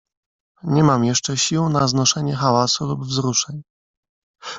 "Nie mam jeszcze sił na znoszenie hałasu lub wzruszeń."